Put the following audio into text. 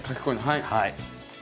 はい。